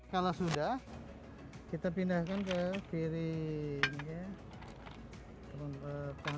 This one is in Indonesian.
kalau sudah kita pindahkan ke piring